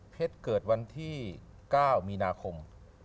เกิดวันที่๙มีนาคม